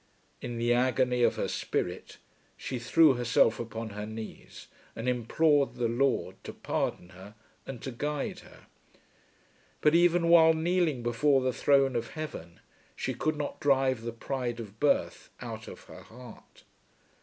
In the agony of her spirit she threw herself upon her knees and implored the Lord to pardon her and to guide her. But even while kneeling before the throne of heaven she could not drive the pride of birth out of her heart.